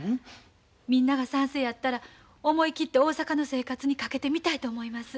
みんなが賛成やったら思い切って大阪の生活にかけてみたいと思います。